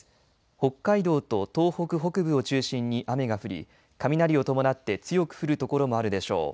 北海道と東北北部を中心に雨が降り雷を伴って強く降る所もあるでしょう。